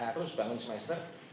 harus bangun semesternya